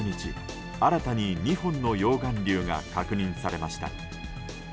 新たに２本の溶岩流が確認されました。